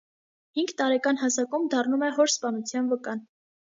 Հինգ տարեկան հասակում դառնում է հոր սպանության վկան։